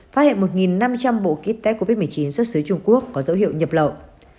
phát hiện một năm trăm linh bộ kit tech covid một mươi chín xuất xứ trung quốc có dấu hiệu nhập lậu